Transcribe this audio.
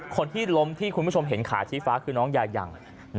คนที่ล้มที่คุณผู้ชมเห็นขาชี้ฟ้าคือน้องยายัง